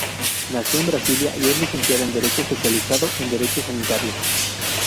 Nació en Brasilia y es licenciada en derecho, especializado en Derecho Sanitario.